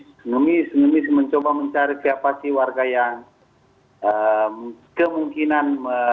senangis mencoba mencari siapa sih warga yang kemungkinan